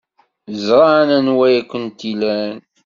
Ẓran anwa ay kent-ilan.